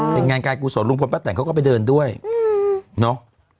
เป็นงานการกุศลลุงพลป้าแต่นเขาก็ไปเดินด้วยเนาะ